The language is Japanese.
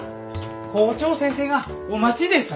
校長先生がお待ちです。